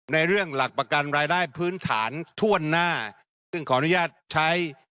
ในเรื่องหลักประกันรายได้พื้นฐานถ้วนหน้าซึ่งขออนุญาตใช้